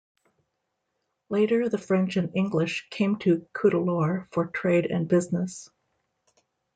Later, the French and English came to Cuddalore for trade and business.